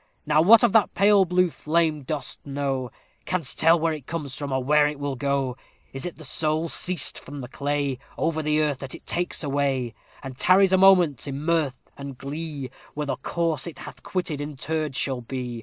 Now what of that pale blue flame dost know? Canst tell where it comes from, or where it will go? Is it the soul, released from clay, Over the earth that takes its way, And tarries a moment in mirth and glee Where the corse it hath quitted interred shall be?